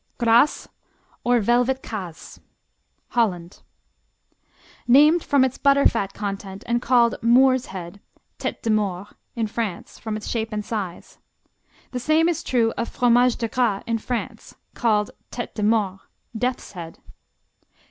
Gras, or Velvet Kaas Holland Named from its butterfat content and called "Moors Head", Tête de Maure, in France, from its shape and size. The same is true of Fromage de Gras in France, called Tête de Mort, "Death's Head".